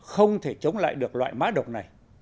không thể chống lại được loại má độc này